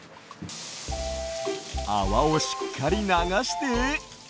あわをしっかりながして。